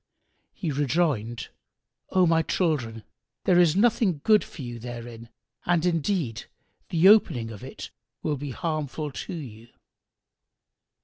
He rejoined, "O my children, there is nothing good for you therein and indeed the opening of it will be harmful to you."